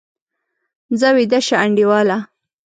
ځه، ویده شه انډیواله!